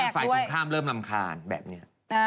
อันนี้ฝ่ายตกข้ามเริ่มลำคาญแบบนี้